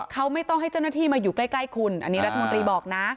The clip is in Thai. เขาไม่ต้องให้เจ้าหน้าที่มาอยู่ใกล้คุณอันนี้รัฐมนตรีบอกนะ